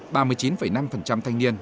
ba mươi chín năm thanh niên làm bằng cấp